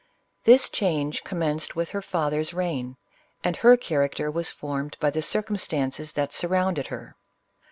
This change commenced with her father's reign, and her character was formed by the circum stances that surrounded her.